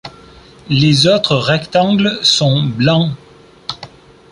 Les autres rectangles sont blancs.